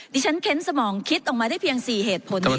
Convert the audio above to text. ดิฉันเค้นสมองคิดออกมาได้เพียง๔เหตุผลนี้